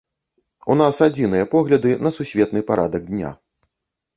У нас адзіныя погляды на сусветны парадак дня.